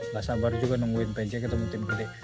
gak sabar juga nungguin pencing ketemu tim gede